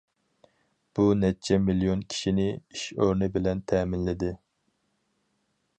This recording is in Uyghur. بۇ نەچچە مىليون كىشىنى ئىش ئورنى بىلەن تەمىنلىدى.